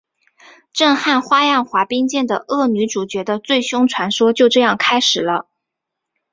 震撼花样滑冰界的恶女主角的最凶传说就这样开始了！